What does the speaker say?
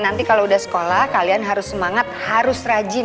nanti kalau udah sekolah kalian harus semangat harus rajin